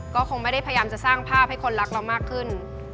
เขาไม่พยายามสร้างภาพให้คนรักเรามากขึ้น